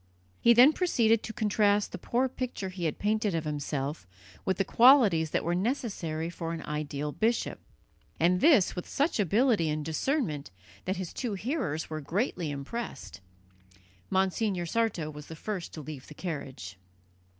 He then proceeded to contrast the poor picture he had painted of himself with the qualities that were necessary for an ideal bishop, and this with such ability and discernment that his two hearers were greatly impressed. Monsignor Sarto was the first to leave the carriage.